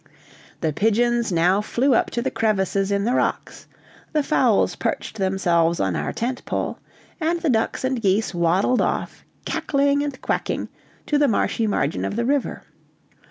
The pigeons now flew up to crevices in the rocks, the fowls perched themselves on our tent pole, and the ducks and geese waddled off, cackling and quacking, to the marshy margin of the river.